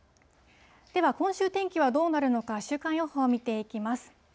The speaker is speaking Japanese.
では今週、天気はどうなるのか、週間予報を見ていきます。